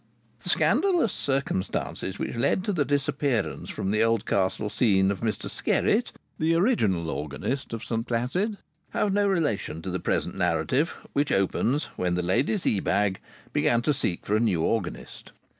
The scandalous circumstances which led to the disappearance from the Oldcastle scene of Mr Skerritt, the original organist of St Placid, have no relation to the present narrative, which opens when the ladies Ebag began to seek for a new organist.